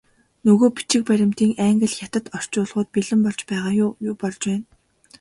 Нөгөө бичиг баримтын англи, хятад орчуулгууд бэлэн болж байгаа юу, юу болж байна?